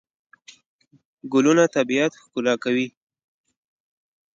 ګلونه طبیعت ښکلا کوي.